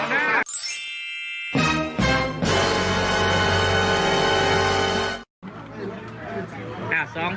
อ่ะ๒ตัวล่าง